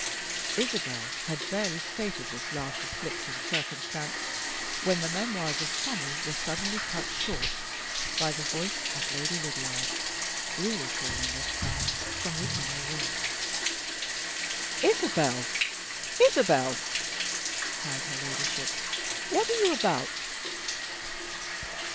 Isabel had barely stated this last afflicting circumstance when the memoirs of Tommie were suddenly cut short by the voice of Lady Lydiard really calling this time from the inner room. "Isabel! Isabel!" cried her Ladyship, "what are you about?"